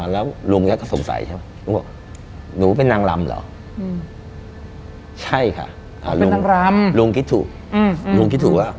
แล้วลุงก็สงสัยหนูเป็นนางรำเหรอใช่ค่ะลุงคิดถูก